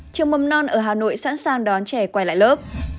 trường mầm non ở hà nội sẵn sàng đón trẻ quay lại lớp